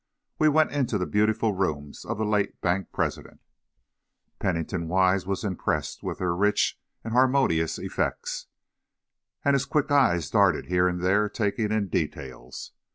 We went into the beautiful rooms of the late bank president. Pennington Wise was impressed with their rich and harmonious effects, and his quick eyes darted here and there, taking in details.